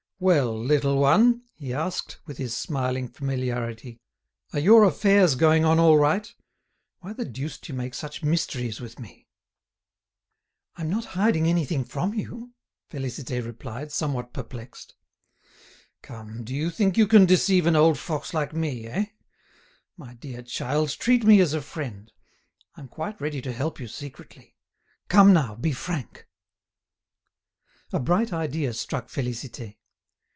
"Well! little one," he asked, with his smiling familiarity, "are your affairs going on all right? Why the deuce do you make such mysteries with me?" "I'm not hiding anything from you," Félicité replied, somewhat perplexed. "Come, do you think you can deceive an old fox like me, eh? My dear child, treat me as a friend. I'm quite ready to help you secretly. Come now, be frank!" A bright idea struck Félicité.